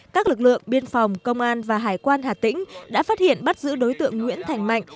các lực lượng biên phòng công an và hải quan hà tĩnh đã phát hiện bắt giữ đối tượng nguyễn thành mạnh